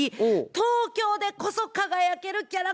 東京でこそ輝けるキャラクターや。